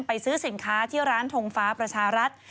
ซื้อสินค้าที่ร้านทงฟ้าประชารัฐ